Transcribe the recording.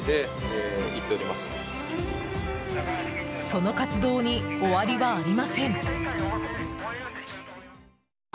その活動に終わりはありません。